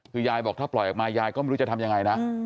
คือยายบอกถ้าปล่อยออกมายายก็ไม่รู้จะทำยังไงนะ